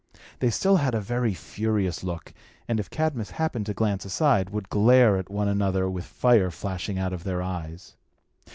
They still had a very furious look, and, if Cadmus happened to glance aside, would glare at one another, with fire flashing out of their eyes.